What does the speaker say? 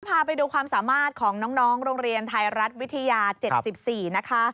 พาไปดูความสามารถของน้องโรงเรียนไทยรัฐวิทยา๗๔นะคะ